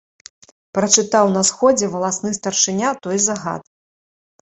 Прачытаў на сходзе валасны старшыня той загад.